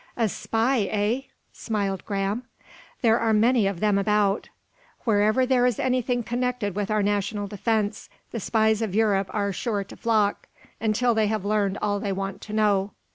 "A spy, eh?" smiled Graham. "There are many of them about. Wherever there is anything connected with our national defense the spies of Europe are sure to flock, until they have learned all they want to know.